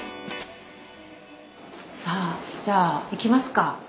さあじゃあいきますか。